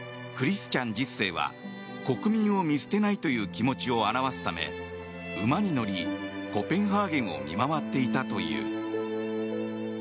クリスチャン１０世は国民を見捨てないという気持ちを表すため、馬に乗りコペンハーゲンを見回っていたという。